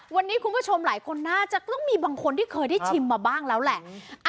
วันนี้คุณผู้ชมหลายคนน่าจะต้องมีบางคนที่เคยได้ชิมมาบ้างแล้วแหละ